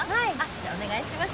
じゃあお願いします。